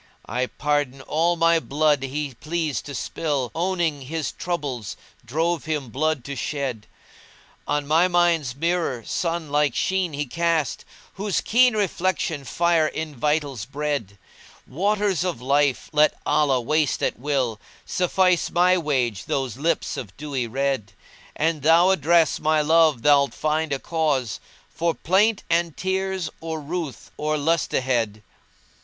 I pardon all my blood he pleased to spill * Owning his troubles drove him blood to shed. On my mind's mirror sun like sheen he cast * Whose keen reflection fire in vitals bred Waters of Life let Allah waste at will * Suffice my wage those lips of dewy red: An thou address my love thou'lt find a cause * For plaint and tears or ruth or lustihed.